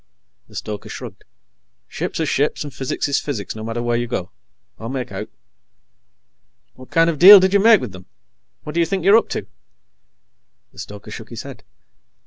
The stoker shrugged. "Ships are ships, and physics is physics, no matter where you go. I'll make out." "What kind of a deal did you make with them? What do you think you're up to?" The stoker shook his head.